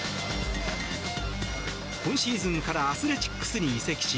今シーズンからアスレチックスに移籍し